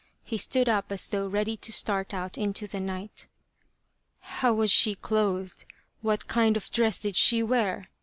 He stood up as though ready to start out into the night. " How was she clothed ? What kind of dress did she wear ?